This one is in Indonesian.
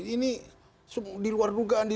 ini diluar dugaan